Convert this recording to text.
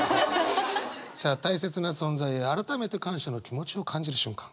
さあ大切な存在へ改めて感謝の気持ちを感じる瞬間。